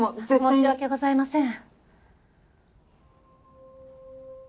申し訳ございません。